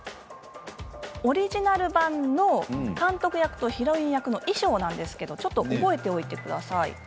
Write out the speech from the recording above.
オリジナル版の監督役とヒロイン役の衣装なんですがちょっと覚えておいてください。